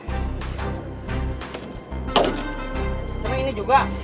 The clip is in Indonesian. sama ini juga